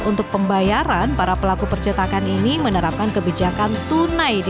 untuk pembayaran para pelaku percetakan ini menerapkan kebijaksanaan